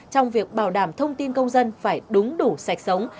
trong việc bảo đảm thông tin công dân phải đúng đủ sạch sống